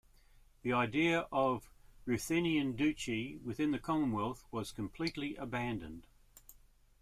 The idea of a Ruthenian Duchy within the Commonwealth was completely abandoned.